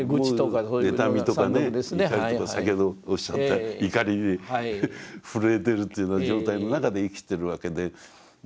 そう妬みとかね怒りとか先ほどおっしゃった怒りに震えてるという状態の中で生きてるわけですが。